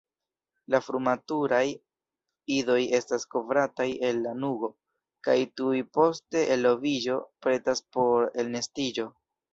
La frumaturaj idoj estas kovrataj el lanugo kaj tuj post eloviĝo pretas por elnestiĝo.